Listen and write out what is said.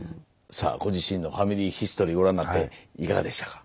さあご自身のファミリーヒストリーをご覧になっていかがでしたか。